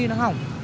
thì hôm nay nó hỏng